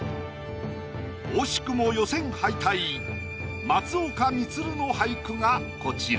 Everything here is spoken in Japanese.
惜しくも予選敗退松岡充の俳句がこちら。